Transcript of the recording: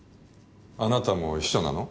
あなたも秘書なの？